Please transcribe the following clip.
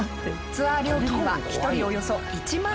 ツアー料金は１人およそ１万６０００円から。